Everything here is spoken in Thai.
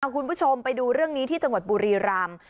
คุณผู้ชมไปดูเรื่องนี้ที่จังหวัดบุรีรำ